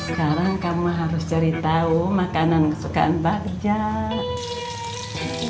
sekarang kamu harus ceritau makanan kesukaan bahjah